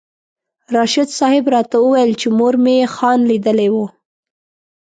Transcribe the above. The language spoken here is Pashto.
راشد صاحب راته وویل چې مور مې خان لیدلی و.